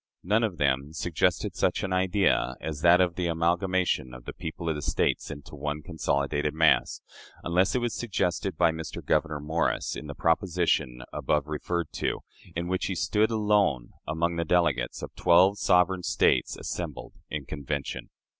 None of them suggested such an idea as that of the amalgamation of the people of the States into one consolidated mass unless it was suggested by Mr. Gouverneur Morris in the proposition above referred to, in which he stood alone among the delegates of twelve sovereign States assembled in convention.